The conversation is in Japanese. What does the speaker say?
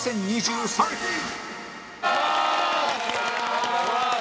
お願いします！